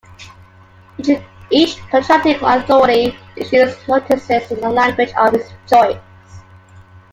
Each contracting authority issues notices in the language of its choice.